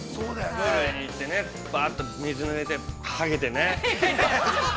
◆プールに行ってね、バーっと水にぬれて、はげてね。